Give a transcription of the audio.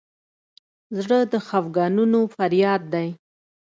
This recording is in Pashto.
زړه د خفګانونو فریاد دی.